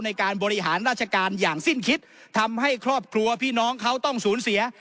ในการบริหารราชการอย่างสิ้นคิดทำให้ครอบครัวพี่น้องเขาต้องสูญเสีย